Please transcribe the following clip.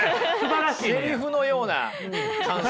セリフのような感想。